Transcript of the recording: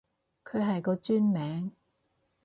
佢係個專名